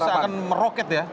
itu bisa akan meroket ya